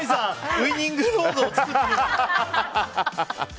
ウイニングロードを作ってしまった。